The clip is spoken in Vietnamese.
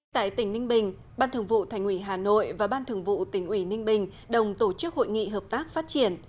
tại tỉnh ninh bình ban thường vụ thành ủy hà nội và ban thường vụ tỉnh ủy ninh bình đồng tổ chức hội nghị hợp tác phát triển